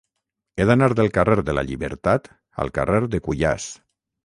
He d'anar del carrer de la Llibertat al carrer de Cuyàs.